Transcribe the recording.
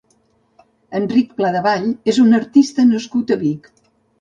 Enric Pladevall és un artista nascut a Vic.